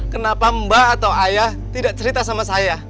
kenapa mbak atau ayah tidak cerita sama saya